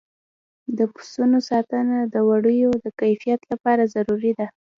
د پسونو ساتنه د وړیو د کیفیت لپاره ضروري ده.